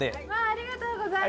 ありがとうございます。